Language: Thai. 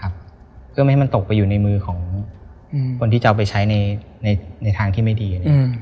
เพื่อไม่ให้มันตกไปอยู่ในมือของคนที่จะเอาไปใช้ในทางที่ไม่ดี